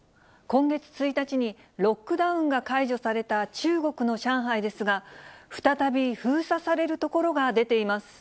今月１日に、ロックダウンが解除された中国の上海ですが、再び封鎖される所が出ています。